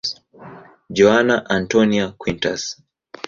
Joana Antónia Quintas.